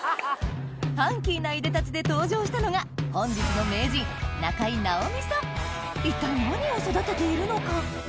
ファンキーないでたちで登場したのが本日の一体何を育てているのか？